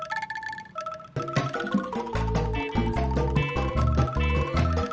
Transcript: kemurahan pada kar faktiskt